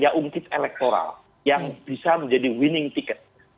ya ungkit elektoral yang bisa menjadi winning ticket